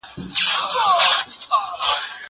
زه پرون د تکړښت لپاره ولاړم!!